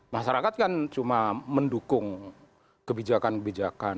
masyarakat kan cuma mendukung kebijakan kebijakan